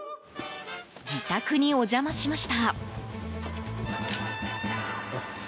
自宅にお邪魔しました。